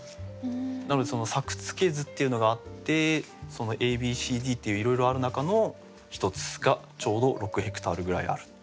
なので作付図っていうのがあってそのＡＢＣＤっていういろいろある中の一つがちょうど６ヘクタールぐらいある。